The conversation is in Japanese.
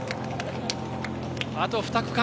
あと２区間。